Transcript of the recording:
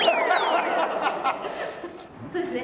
そうですね